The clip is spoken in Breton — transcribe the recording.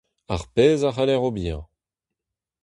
Ar pezh a c'haller ober.